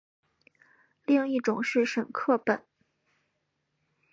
另一种是沈刻本。